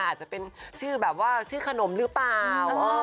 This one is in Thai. อาจจะเป็นชื่อแบบว่าชื่อขนมหรือเปล่า